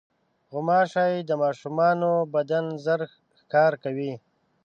غوماشې د ماشومانو بدن ژر ښکار کوي.